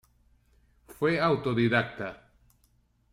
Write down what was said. Fue autodidacta.